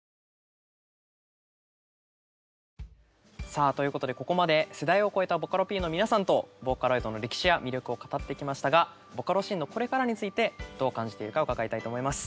さあということでここまで世代を超えたボカロＰの皆さんとボーカロイドの歴史や魅力を語ってきましたがボカロシーンのこれからについてどう感じているか伺いたいと思います。